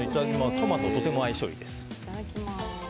トマトととても相性がいいです。